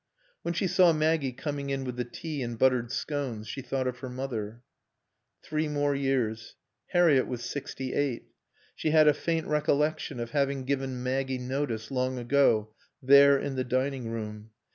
When she saw Maggie coming in with the tea and buttered scones she thought of her mother. Three more years. Harriett was sixty eight. She had a faint recollection of having given Maggie notice, long ago, there, in the dining room.